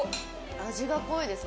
味が濃いです